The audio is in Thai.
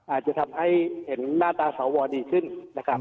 อาจจะทำให้เห็นหน้าตาสวดีขึ้นนะครับ